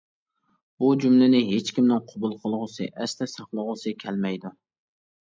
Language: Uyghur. بۇ جۈملىنى ھېچكىمنىڭ قوبۇل قىلغۇسى، ئەستە ساقلىغۇسى كەلمەيدۇ.